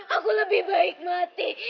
aku lebih baik mati